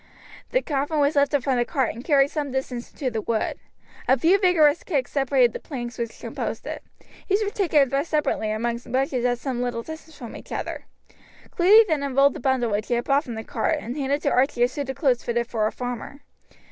The coffin was lifted from the cart, and carried some short distance into the wood. A few vigorous kicks separated the planks which composed it. These were taken and thrust separately among bushes at some little distance from each other. Cluny then unrolled the bundle which he had brought from the cart, and handed to Archie a suit of clothes fitted for a farmer.